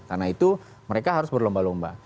karena itu mereka harus berlomba lomba